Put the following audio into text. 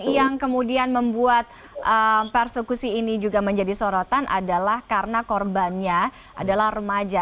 yang kemudian membuat persekusi ini juga menjadi sorotan adalah karena korbannya adalah remaja